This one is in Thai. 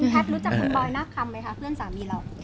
คุณแพทย์รู้จักคุณบอยนักคำไหมคะเพื่อนสามีเรา